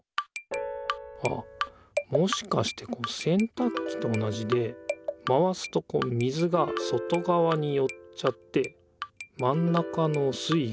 あっもしかしてせんたくきと同じで回すとこう水が外がわによっちゃってまん中の水いが下がる。